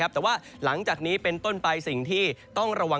แต่ว่าหลังจากนี้เป็นต้นไปสิ่งที่ต้องระวัง